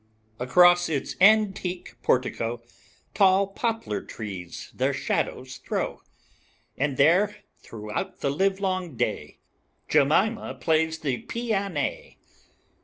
Across its antique portico Tall poplar trees their shadows throw. And there throughout the livelong day, Jemima plays the pi a na.